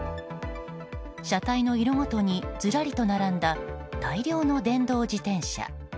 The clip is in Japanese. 車体の色ごとにずらりと並んだ大量の電動自転車。